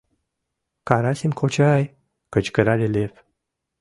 — Карасим кочай! — кычкырале Лев.